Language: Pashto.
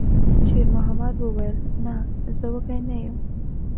شېرمحمد وویل: «نه، زه وږی نه یم.»